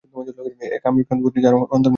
ওই আমেরিকান দম্পতি, যারা অমর মহলে আছে?